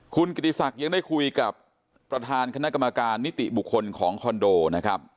คุณกิติศักดิ์ยังได้คุยกับประธานคณะกรรมการนิติบุคคลของคอนโดนะครับ